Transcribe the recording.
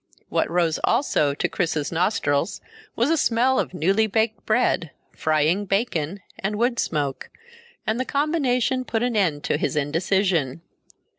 What rose also to Chris's nostrils was a smell of newly baked bread, frying bacon, and woodsmoke, and the combination put an end to his indecision.